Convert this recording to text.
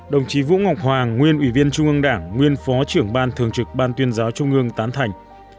đồng chí vũ ngọc hoàng nguyên ủy viên trung ương đảng nguyên phó trưởng ban thường trực ban tuyên giáo trung ương tán thành